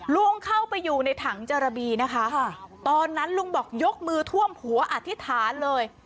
ลุงเข้าไปอยู่ในถังเจรบีนะคะตอนนั้นลุงบอกยกมือท่วมหัวอธิษฐานเลย